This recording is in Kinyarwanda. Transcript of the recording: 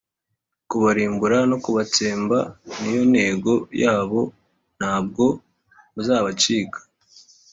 Kubarimbura no kubatsemba niyo ntego yabo ntabwo muzabacika